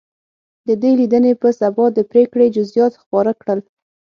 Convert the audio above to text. د دې لیدنې په سبا د پرېکړې جزییات خپاره کړل.